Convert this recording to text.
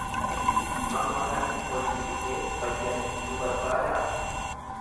Amma kana hojii dhufee bayyanachuu barbaadaa?